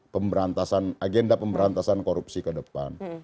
pemberantasan agenda pemberantasan korupsi ke depan